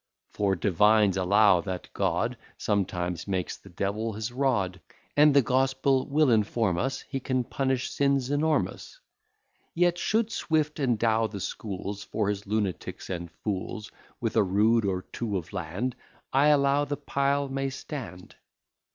For divines allow, that God Sometimes makes the devil his rod; And the gospel will inform us, He can punish sins enormous. Yet should Swift endow the schools, For his lunatics and fools, With a rood or two of land, I allow the pile may stand.